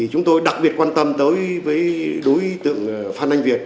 chúng tôi đặc biệt quan tâm đối với đối tượng phan anh việt